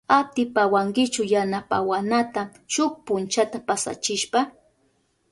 ¿Atipawankichu yanapawanata shuk punchata pasachishpa?